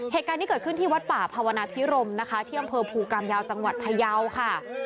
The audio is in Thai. เหตุการณ์นี้เกิดขึ้นที่วัดป่าภาวนาพิรมนะคะที่อำเภอภูกรรมยาวจังหวัดพยาวค่ะ